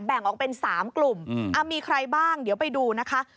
แบ่งออกเป็น๓กลุ่มมีใครบ้างเดี๋ยวไปดูนะคะ